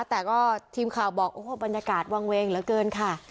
แต่ก็ทีมข่าวบอกโอ้โหบรรยากาศวางเวงเหลือเกินค่ะ